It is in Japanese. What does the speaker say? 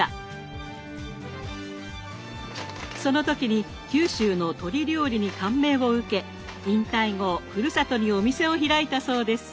その時に九州の鶏料理に感銘を受け引退後ふるさとにお店を開いたそうです。